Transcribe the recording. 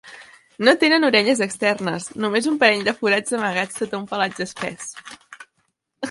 No tenen orelles externes, només un parell de forats amagats sota un pelatge espès.